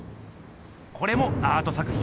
これもアート作品ですよ。